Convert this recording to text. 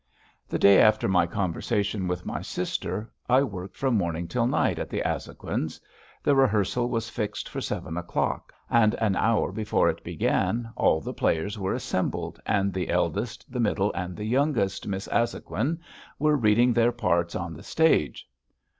The day after my conversation with my sister I worked from morning till night at the Azhoguins'. The rehearsal was fixed for seven o'clock, and an hour before it began all the players were assembled, and the eldest, the middle, and the youngest Miss Azhoguin were reading their parts on the stage.